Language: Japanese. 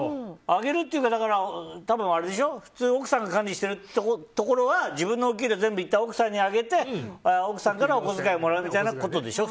あげるというか普通奥さんが管理してるところは自分のお給料をいったん全部奥さんにあげて奥さんからお小遣いもらうみたいなことでしょ。